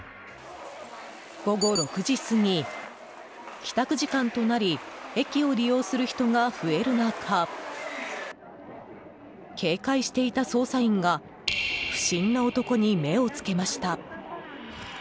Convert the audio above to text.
午後６時過ぎ、帰宅時間となり駅を利用する人が増える中警戒していた捜査員が不審な男に目をつけました。